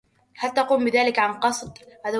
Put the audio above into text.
هل تقوم بذلك عن قصد؟